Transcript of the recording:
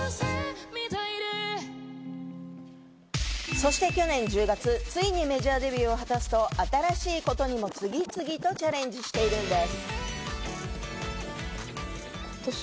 そして去年１０月、ついにメジャーデビューを果たすと、新しいことにも次々とチャレンジしているんです。